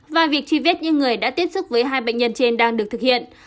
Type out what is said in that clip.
và việc truy vết những người đã tiếp xúc với hai bệnh nhân trên đang được thực hiện